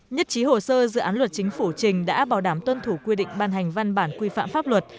nhất trí hồ sơ dự án luật chính phủ trình đã bảo đảm tuân thủ quy định ban hành văn bản quy phạm pháp luật